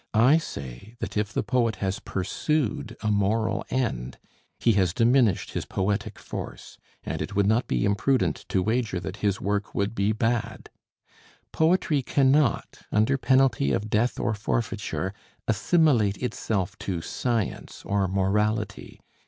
I say that if the poet has pursued a moral end, he has diminished his poetic force, and it would not be imprudent to wager that his work would be bad. Poetry cannot, under penalty of death or forfeiture, assimilate itself to science or morality.